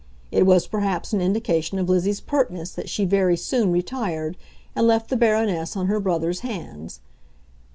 It was perhaps an indication of Lizzie's pertness that she very soon retired and left the Baroness on her brother's hands.